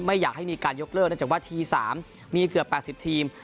ไม่อยากให้มีการยกเลิกเนื่องจากว่าที๓มีเกือบ๘๐ทีม